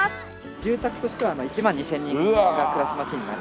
住宅としては１万２０００人が暮らす街になる。